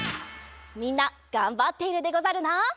みんながんばっているでござるな！